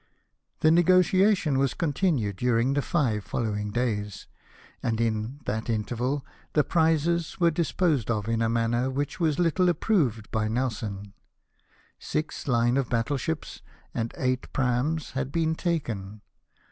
The negotiation was continued during the five following days ; and, in that interval, the prizes were disposed of in a manner which was little approved by Nelson. Six hne of battle ships and eight praams had been taken.